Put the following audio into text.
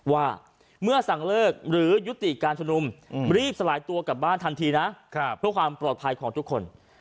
ว่าเมื่อสั่งเลิกหรือยุติการชุมนุมรีบสลายตัวกลับบ้านทันทีนะเพื่อความปลอดภัยของทุกคน